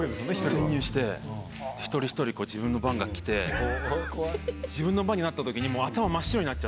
潜入して一人一人自分の番がきて自分の番になったときにもう頭真っ白になっちゃって。